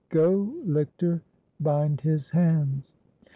Go, lictor, bind his hands."